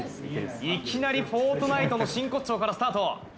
いきなりフォートナイトの真骨頂からスタート。